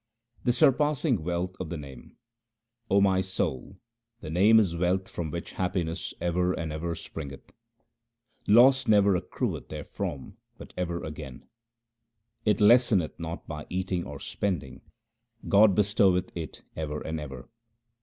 The surpassing wealth of the Name :— O my soul, the Name is wealth from which happiness ever and ever springeth. Loss never accrueth therefrom, but ever gain. It lesseneth not by eating or spending ; God bestoweth it ever and ever.